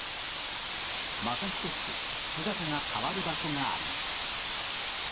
また１つ姿が変わる場所があります。